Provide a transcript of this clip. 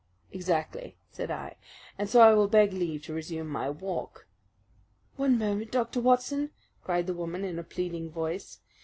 "Exactly," said I, "and so I will beg leave to resume my walk." "One moment, Dr. Watson," cried the woman in a pleading voice.